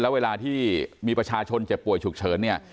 แล้วเวลาที่มีประชาชนเจ็บป่วยฉุกเฉินเนี่ย